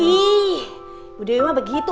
ih bu dewi mah begitu